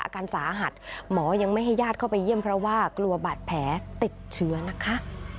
อาการสาหัสหมอยังไม่ให้ญาติเข้าไปเยี่ยมเพราะว่ากลัวบาดแผลติดเชื้อนะคะ